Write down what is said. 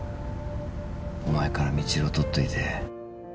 お前から未知留をとっといて